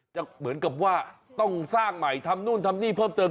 เหมือนกับว่าต้องสร้างใหม่ทำนู่นทำนี่เพิ่มเติม